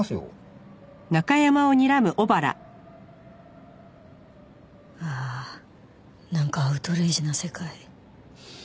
うわあなんかアウトレイジな世界。